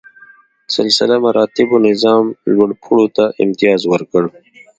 سلسله مراتبو نظام لوړ پوړو ته امتیاز ورکړ.